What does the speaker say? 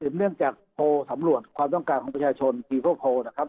เนื่องจากโทรสำรวจความต้องการของประชาชนฟีโคลนะครับ